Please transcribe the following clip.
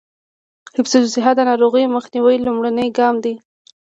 حفظ الصحه د ناروغیو مخنیوي لومړنی ګام دی.